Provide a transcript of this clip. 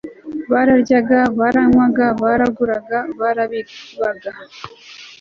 bararyaga baranywaga baraguraga barabibaga